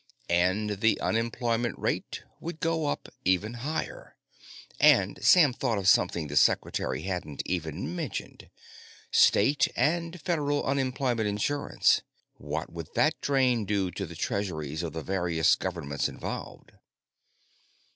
And the unemployment rate would go up even higher. And Sam thought of something the Secretary hadn't even mentioned. State and Federal Unemployment Insurance. What would that drain do to the treasuries of the various governments involved?